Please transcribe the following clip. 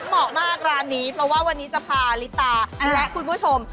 เหมาะมากร้านนี้เพราะว่าวันนี้จะพาลิตาและคุณผู้ชม